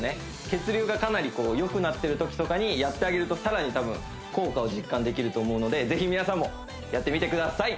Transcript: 血流がかなりよくなってるときとかにやってあげるとさらに多分効果を実感できると思うのでぜひ皆さんもやってみてください！